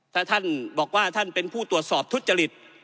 ถ้าท่านบอกว่าท่านเป็นผู้ตรวจสอบทุจริต